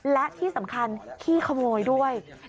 และที่สำคัญขี้ขโมยด้วย